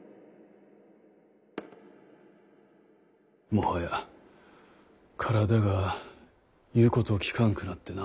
もはや体が言うことをきかんくなってな。